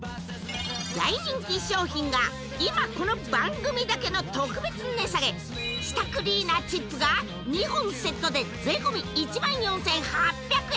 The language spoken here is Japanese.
大人気商品が今この番組だけの特別値下げ舌クリーナーチップが２本セットで税込１４８００円